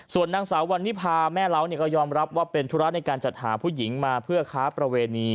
ส่วนนางสาววันนิพาแม่เล้าก็ยอมรับว่าเป็นธุระในการจัดหาผู้หญิงมาเพื่อค้าประเวณี